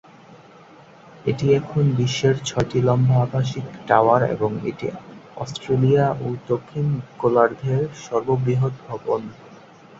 এটি এখন বিশ্বের ছয়টি লম্বা আবাসিক টাওয়ার এবং এটি অস্ট্রেলিয়া ও দক্ষিণ গোলার্ধের সর্ববৃহৎ ভবন।